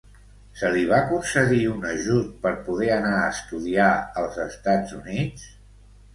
Se li va concedir un ajut per poder anar a estudiar als Estats Units?